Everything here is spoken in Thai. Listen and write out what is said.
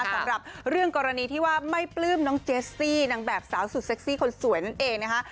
สำหรับเรื่องกรณีที่ว่าไม่ปลื้มน้องเจสซี่นางแบบสาวสุดเซ็กซี่คนสวยนั่นเองนะคะ